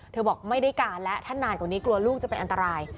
บอกไม่ได้การแล้วถ้านานกว่านี้กลัวลูกจะเป็นอันตราย